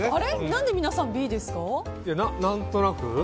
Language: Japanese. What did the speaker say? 何で皆さん、Ｂですか？